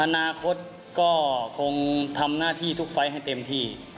อนาคตก็คงทำหน้าที่ทุกไฟล์ให้เต็มที่